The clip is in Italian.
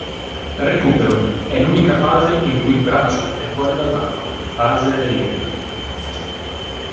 Recupero: è l'unica fase in cui il braccio è fuori dall'acqua (fase aerea).